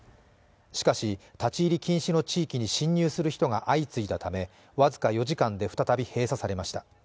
しかし、立ち入り禁止の地域に侵入する人が相次いだため僅か４時間で再び閉鎖されました。